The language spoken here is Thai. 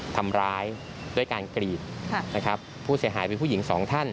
ทำร้ายด้วยการกรีดนะครับผู้เสียหายเป็นผู้หญิงสองท่าน